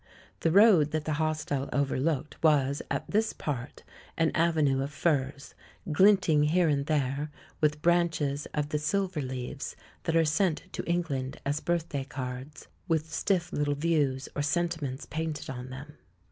The road that the hostel overlooked was, at this part, an avenue of firs, glinting here and there with branches of the silver leaves that are sent to Eng land as birthday cards, with stiff little views, or sentiments painted on them.